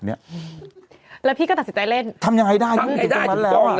เป็นการกระตุ้นการไหลเวียนของเลือด